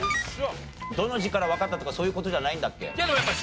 どの字からわかったとかそういう事じゃないんだっけ？